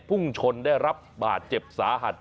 พุ่งชนได้รับบาดเจ็บสาหัส